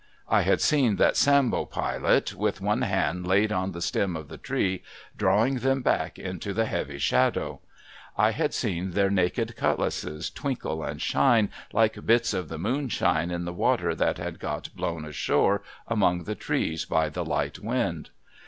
I had seen that Sambo Pilot, with one hand laid on the stem of the tree, drawing them back into the heavy shadow. I had seen their naked cutlasses twinkle and shine, like bits of the moonshine in the water that had got blown ashore among the trees by the light wind.